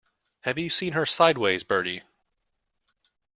Have you seen her sideways, Bertie?